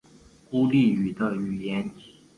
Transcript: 孤立语的语言。